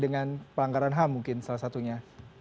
dengan pelanggaran ham mungkin salah satunya